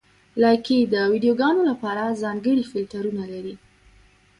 لایکي د ویډیوګانو لپاره ځانګړي فېلټرونه لري.